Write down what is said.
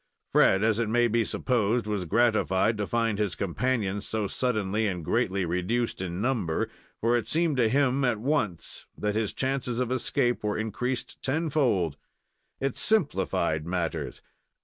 Fred, as may be supposed, was gratified to find his companions so suddenly and greatly reduced in number, for it seemed to him at once that his chances of escape were increased tenfold. It simplified matters.